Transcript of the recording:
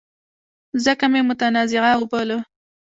ځکه مې متنازعه وباله.